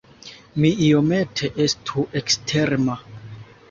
Mi iomete estu eksterma.